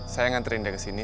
saya yang nganterin dia kesini